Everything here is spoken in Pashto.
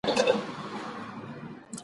خلک له وارداتو ستړي دي.